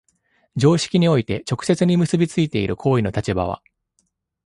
常識において直接に結び付いている行為の立場は、